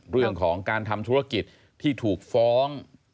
เรื่องของการทำธุรกิจที่ถูกฟ้อง